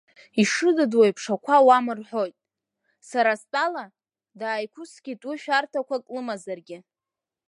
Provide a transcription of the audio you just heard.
Ишыдыдуа еиԥш қәа ауам рҳәоит, сара стәала, дааиқәыскит уи шәарҭақәак лымазаргьы.